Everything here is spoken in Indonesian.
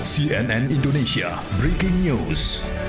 cnn indonesia breaking news